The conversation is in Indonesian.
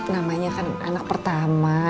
namanya kan anak pertama